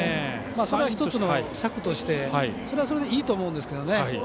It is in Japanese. それは１つの策としてそれはそれでいいと思うんですけどね。